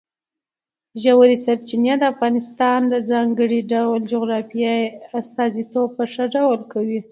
ژورې سرچینې د افغانستان د ځانګړي ډول جغرافیې استازیتوب په ښه ډول کوي.